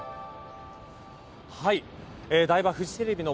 台場、フジテレビの